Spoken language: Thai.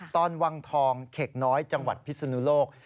ตอนวังทองเขกน้อยจังหวัดพิศนุโลก